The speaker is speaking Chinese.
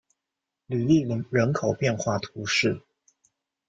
吕利人口变化图示